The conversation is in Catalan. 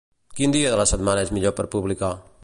Quin dia de la setmana és millor per publicar?